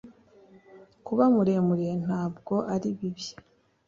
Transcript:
Kuba muremure ntabwo ari bibi.